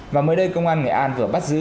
và mới đây công an nghệ an vừa bắt giữ